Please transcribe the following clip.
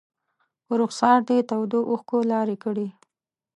په رخسار دې تودو اوښکو لارې کړي